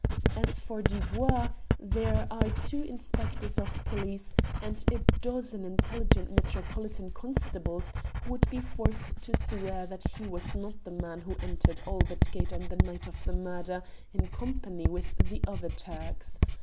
As for Dubois, there are two inspectors of police and a dozen intelligent Metropolitan constables who would be forced to swear that he was not the man who entered Albert Gate on the night of the murder in company with the other Turks.